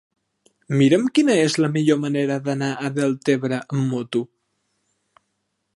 Mira'm quina és la millor manera d'anar a Deltebre amb moto.